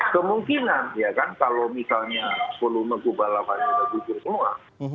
kemungkinan ya kan kalau misalnya volume kubah laparnya itu gugur semua